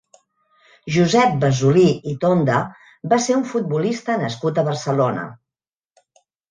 Josep Besolí i Tonda va ser un futbolista nascut a Barcelona.